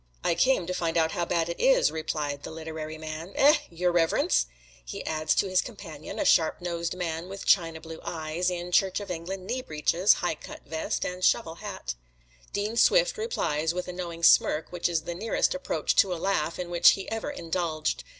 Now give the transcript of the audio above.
"I came to find out how bad it is," replied the literary man. "Eh! your reverence?" he adds to his companion, a sharp nosed man with china blue eyes, in Church of England knee breeches, high cut vest, and shovel hat. Dean Swift replies with a knowing smirk, which is the nearest approach to a laugh in which he ever indulged.